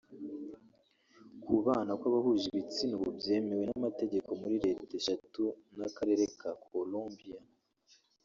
Kubana kw’abahuje ibitsina ubu byemewe n’amategeko muri Leta esheshatu n’Akarere ka Columbia